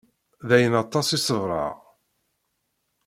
D ayen, aṭas i ṣebreɣ.